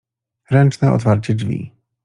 ręczne otwarcie drzwi